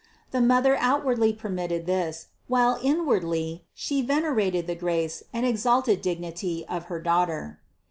The mother outwardly permitted this, while inwardly She venerated the grace and exalted dig nity of her Daughter.